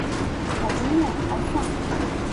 好温暖好爽